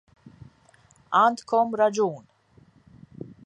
Għandkom raġun.